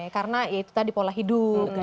karena itu tadi pola hidup